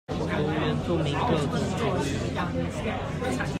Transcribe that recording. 如原住民各族族語